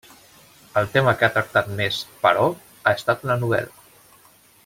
El tema que ha tractat més però, ha estat la novel·la.